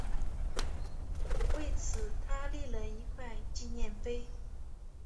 为此他立了一块纪念碑。